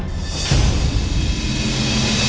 eh ingat ya